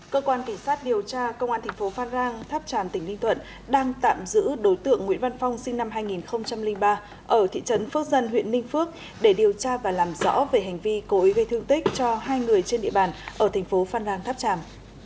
cơ quan kỳ sát điều tra công an thành phố phan rang tháp tràm tỉnh ninh thuận đang tạm giữ đối tượng nguyễn văn phong sinh năm hai nghìn ba ở thị trấn phước dân huyện ninh phước để điều tra và làm rõ về hành vi cố ý gây thương tích cho hai người trên địa bàn ở thành phố phan rang tháp tràm